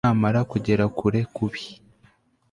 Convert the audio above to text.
namara kugera kure kubi